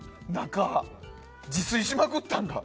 自炊しまくったんだ。